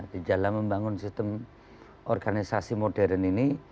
di dalam membangun sistem organisasi modern ini